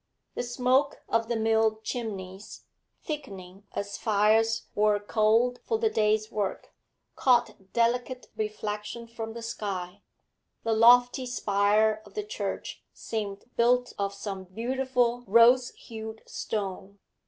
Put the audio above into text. The smoke of the mill chimneys, thickening as fires were coaled for the day's work, caught delicate reflection from the sky; the lofty spire of the church seemed built of some beautiful rose hued stone.